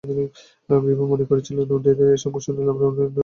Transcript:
বিভা মনে করিয়াছিল, উদয়াদিত্য এ সংবাদ শুনিলে অপমানের ভয়ে পাছে না যাইতে দেন।